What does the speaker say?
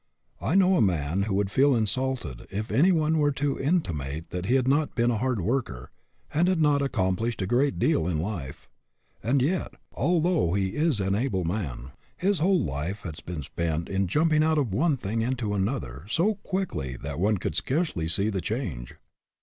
I know a man who would feel insulted if any one were to intimate that he had not been a hard worker, and had not accomplished a great deal in life; and yet, although he is an able man, his whole life has been spent in jumping out of one thing and into another so quickly that one could scarcely see the change.